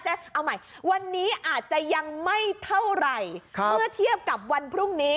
เอาใหม่วันนี้อาจจะยังไม่เท่าไหร่เมื่อเทียบกับวันพรุ่งนี้